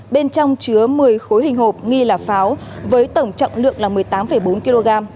bên trong chứa một mươi khối hình hộp nghi là pháo với tổng trọng lượng là một mươi tám bốn kg